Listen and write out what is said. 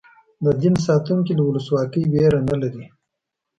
د دین ساتونکي له ولسواکۍ وېره نه لري.